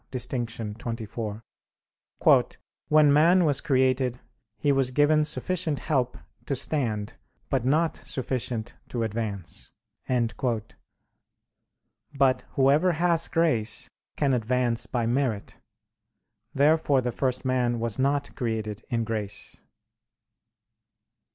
ii, D, xxiv): "When man was created he was given sufficient help to stand, but not sufficient to advance." But whoever has grace can advance by merit. Therefore the first man was not created in grace.